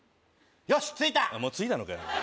よし着いたもう着いたのかよ